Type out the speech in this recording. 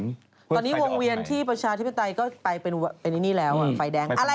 ตอนนี้วงเวียนที่ประชาธิปไตยก็ไปเป็นนี่แล้วไฟแดงอะไร